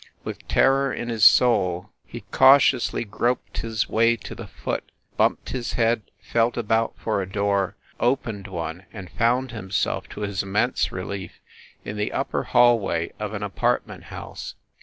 With terror in his soul, he cautiously 24 SCHEFFEL HALL 25 groped his way to the foot, bumped his head, felt about for a door, opened one and found himself, to his immense relief, in the upper hallway of an apart ment house.